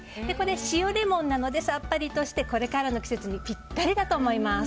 塩レモンなのでさっぱりとしてこれからの季節にぴったりだと思います。